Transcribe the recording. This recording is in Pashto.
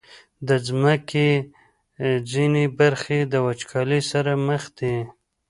د مځکې ځینې برخې د وچکالۍ سره مخ دي.